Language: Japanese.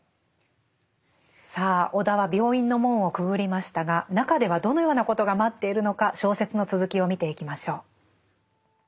さあ尾田は病院の門をくぐりましたが中ではどのようなことが待っているのか小説の続きを見ていきましょう。